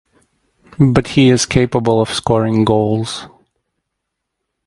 But he is capable of scoring goals.